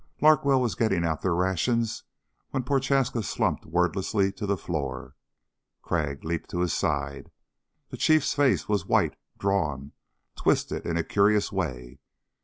Larkwell was getting out their rations when Prochaska slumped wordlessly to the floor. Crag leaped to his side. The Chief's face was white, drawn, twisted in a curious way.